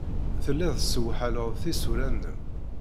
Telliḍ tessewḥaleḍ tisura-nnem.